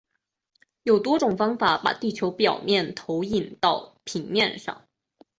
有多种方法把地球表面投影到平面上。